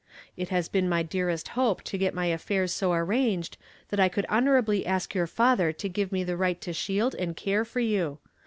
It has been my dearest hope to get my affaire so arranged that I could honoiably ask your fatlierto give me the right to shield and care for you.